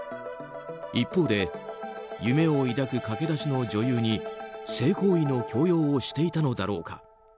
一方で夢を抱く駆け出しの女優に性行為の強要をしていたのだろうか。